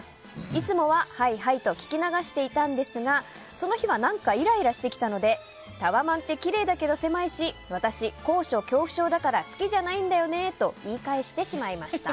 いつもは、はいはいと聞き流していたんですがその日は何かイライラしてきたのでタワマンってきれいだけど狭いし私、高所恐怖症だから好きじゃないんだよねと言い返してしまいました。